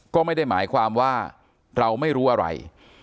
ก็ไม่ได้หมายความว่าเราไม่รู้อะไร